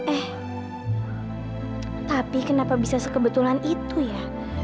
eh tapi kenapa bisa sekebetulan itu ya